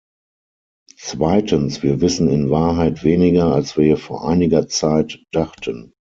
Zweitens, wir wissen in Wahrheit weniger, als wir vor einiger Zeit dachten.